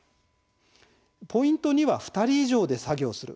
ポイント２は２人以上で作業する。